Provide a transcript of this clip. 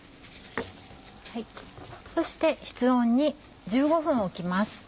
そして室温に１５分置きます。